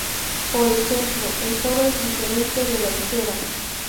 Por ejemplo, el toro es diferente de la esfera.